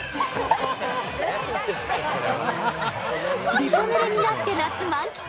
びしょ濡れになって夏満喫。